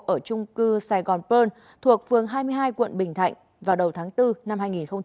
ở trung cư saigon pearl thuộc phường hai mươi hai quận bình thạnh vào đầu tháng bốn năm hai nghìn hai mươi bốn